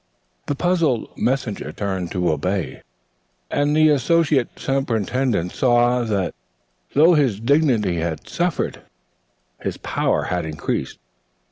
The puzzled messenger turned to obey, and the Associate Superintendent saw that though his dignity had suffered his power had increased.